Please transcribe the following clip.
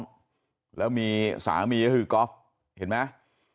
มีลูกน้องแล้วมีสามีก็คือก๊อฟเห็นไหม